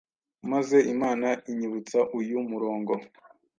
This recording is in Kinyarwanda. maze Imana inyibutsa uyu murongo